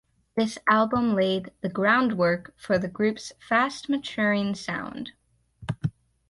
This album laid the groundwork for the group's fast maturing sound.